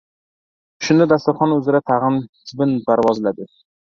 Shunda, dasturxon uzra tag‘in chibin parvozladi.